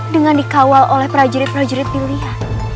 dengan dikawal oleh prajurit prajurit pilihan